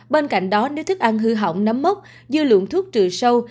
bên cạnh đó nếu thức ăn hư hỏng nắm mốc dư luộm thuốc trừ sâu